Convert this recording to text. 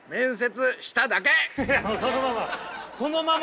そのまま！